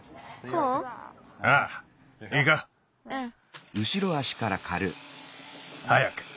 うん。早く。